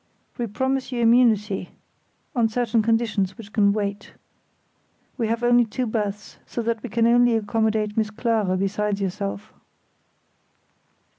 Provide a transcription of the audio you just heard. We promise you immunity—on certain conditions, which can wait. We have only two berths, so that we can only accommodate Miss Clara besides yourself."